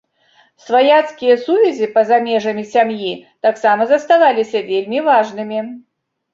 Сваяцкія сувязі па-за межамі сям'і таксама заставаліся вельмі важнымі.